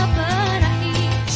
agar semua tak berakhir